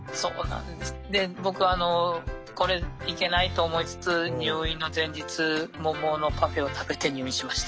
で僕これいけないと思いつつ入院の前日桃のパフェを食べて入院しました。